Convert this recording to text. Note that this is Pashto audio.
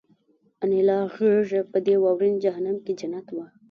د انیلا غېږه په دې واورین جهنم کې جنت وه